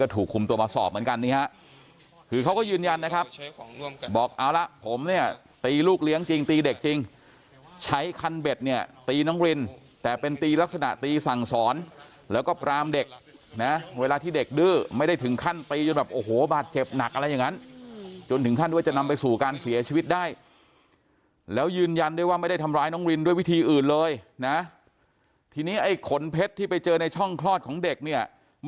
ถูกคุมตัวมาสอบเหมือนกันนะครับคือเขาก็ยืนยันนะครับบอกเอาละผมเนี่ยตีลูกเลี้ยงจริงตีเด็กจริงใช้คันเบ็ดเนี่ยตีน้องรินแต่เป็นตีลักษณะตีสั่งสอนแล้วก็กรามเด็กนะเวลาที่เด็กดื้อไม่ได้ถึงขั้นตีอยู่แบบโอ้โหบาดเจ็บหนักอะไรอย่างนั้นจนถึงขั้นด้วยจะนำไปสู่การเสียชีวิตได้แล้วยืนยันด้วยว่าไม่